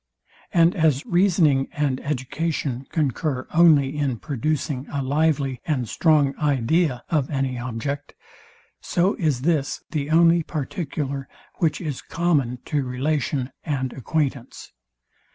And as reasoning and education concur only in producing a lively and strong idea of any object; so is this the only particular, which is common to relation and acquaintance.